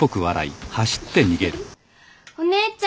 お姉ちゃん！